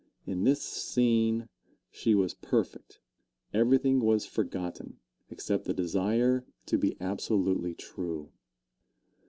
In this scene she was perfect everything was forgotten except the desire to be absolutely true.